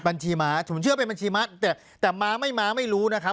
บัญชีม้าผมเชื่อเป็นบัญชีม้าแต่แต่ม้าไม่ม้าไม่รู้นะครับ